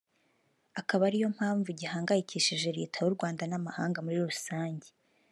akaba ari yo mpamvu gihangayikishije Leta y’u Rwanda n’amahanga muri rusange